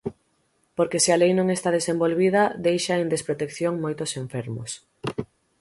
Porque se a lei non está desenvolvida, deixa en desprotección moitos enfermos.